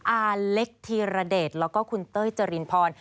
อาเล็กธีรเดชแล้วก็คุณเต้ยเจรินพร